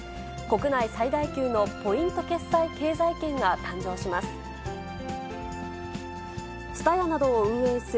国内最大級のポイント決済経済圏が誕生します。